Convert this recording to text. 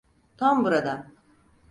Tam buradan.